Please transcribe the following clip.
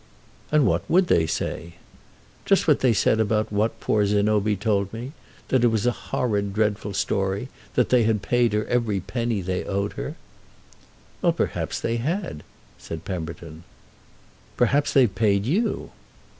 "And what would they say?" "Just what they said about what poor Zénobie told me—that it was a horrid dreadful story, that they had paid her every penny they owed her." "Well, perhaps they had," said Pemberton. "Perhaps they've paid you!"